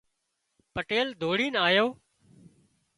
پٽيل ڌوڙينَ آيو